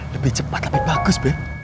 lebih cepat lebih bagus